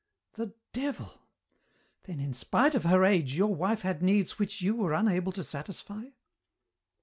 "The devil! Then, in spite of her age, your wife had needs which you were unable to satisfy?"